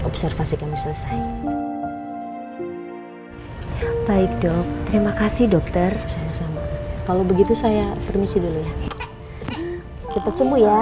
observasi kami selesai baik dok terima kasih dokter kalau begitu saya permisi dulu ya cepet semua ya